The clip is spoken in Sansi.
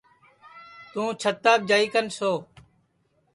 تُوں چھتاپ جائی کن سو